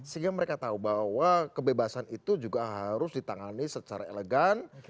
sehingga mereka tahu bahwa kebebasan itu juga harus ditangani secara elegan